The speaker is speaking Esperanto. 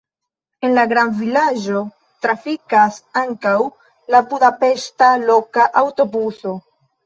En la grandvilaĝo trafikas ankaŭ la budapeŝta loka aŭtobuso.